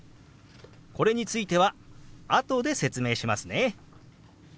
これについてはあとで説明しますね。